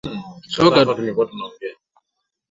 kwa ajili ya walio madarakani kwa gharama yoyote